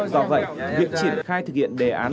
do vậy viện chỉnh khai thực hiện đề án